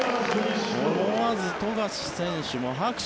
思わず富樫選手も拍手。